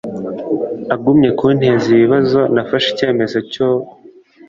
agumye kunteza ibibazo nafashe ikemezo cyo